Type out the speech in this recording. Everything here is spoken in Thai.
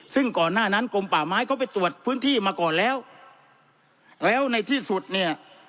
ซึ่งก่อนหน้านั้นกลมป่าไม้เขาไปตรวจพื้นที่มาก่อนแล้วแล้วในที่สุดเนี่ย